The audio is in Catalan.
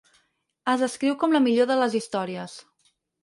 Es descriu com 'la millor de les històries'.